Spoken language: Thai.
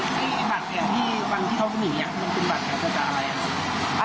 บัตรอย่างที่วันที่เขาหนีมันเป็นบัตรแห่งพฤติอะไร